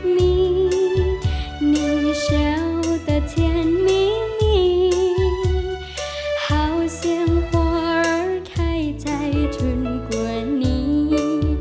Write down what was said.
มุ่งหรือมุ่งหรือเห็นกว่านี้